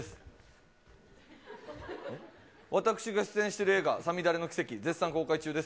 私が出演している映画、さみだれのきせき、絶賛公開中です。